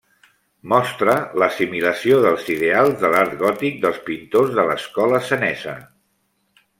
Mostra l'assimilació dels ideals de l'art gòtic pels pintors de l'escola senesa.